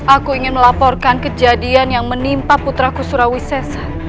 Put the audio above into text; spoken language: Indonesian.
aku ingin melaporkan kejadian yang menimpa putraku surawisesa